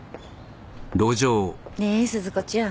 ねえ鈴子ちゃん。